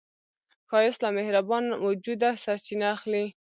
ښایست له مهربان وجوده سرچینه اخلي